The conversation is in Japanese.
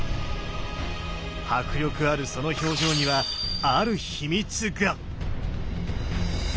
迫力あるその表情にはある秘密が！